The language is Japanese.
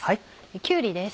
きゅうりです。